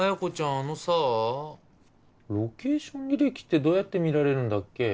あのさロケーション履歴ってどうやって見られるんだっけ？